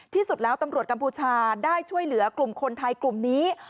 ที่สุดแล้วตำรวจกัมพูชาได้ช่วยเหลือกลุ่มคนไทยกลุ่มนี้